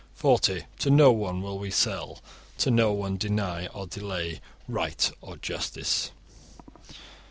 (40) To no one will we sell, to no one deny or delay right or justice.